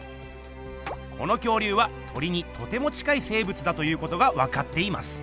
この恐竜は鳥にとても近い生ぶつだということがわかっています。